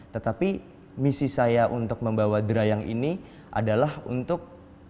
tetapi misi saya untuk membawa drayang ini adalah untuk